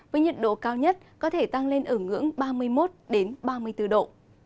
với nhiệt độ cao nhất có thể tăng lên ở ngưỡng ba mươi một ba mươi bốn độ